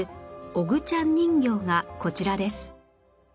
ＯＧＵ ちゃん人形がこちらです